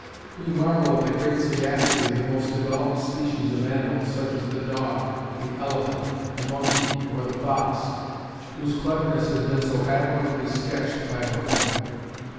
We marvel at the great sagacity of the most developed species of animals, such as the dog, the elephant, the monkey or the fox, whose cleverness has been so admirably sketched by Buffon.